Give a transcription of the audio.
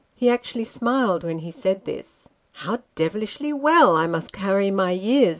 He actually smiled when he said this. " How devilish well I must carry my years